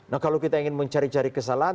nah kalau kita ingin mencari cari kesalahan